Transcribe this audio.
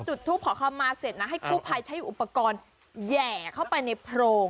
จุดทูปขอคำมาเสร็จนะให้กู้ภัยใช้อุปกรณ์แหย่เข้าไปในโพรง